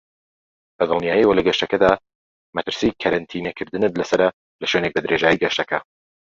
بەدڵنیاییەوە لە گەشتەکەتدا مەترسی کەرەنتینە کردنت لەسەرە لەشوێنێک بەدرێژایی گەشتەکە.